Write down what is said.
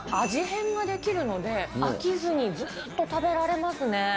変ができるので、飽きずにずっと食べられますね。